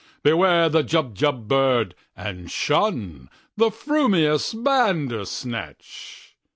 Beware the Jubjub bird, and shunThe frumious Bandersnatch!"